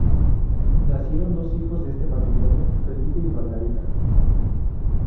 Nacieron dos hijos de este matrimonio: Felipe y Margarita.